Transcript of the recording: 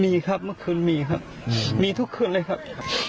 มีครับเมื่อคืนมีครับมีทุกคืนเลยครับ